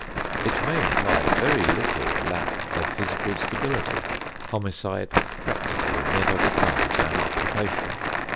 It may imply very little lack of physical stability. Homicide practically never becomes an occupation.